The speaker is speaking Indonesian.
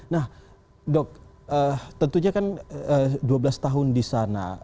nah dok tentunya kan dua belas tahun di sana